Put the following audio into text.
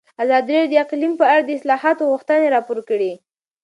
ازادي راډیو د اقلیم په اړه د اصلاحاتو غوښتنې راپور کړې.